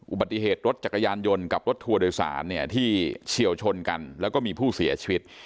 อุบัติเหตุรถจักรยานยนต์กับรถทัวร์โดยสารเนี่ยที่เฉียวชนกันแล้วก็มีผู้เสียชีวิต